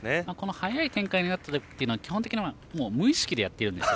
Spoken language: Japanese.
早い展開になったときは基本的に無意識でやっているんです。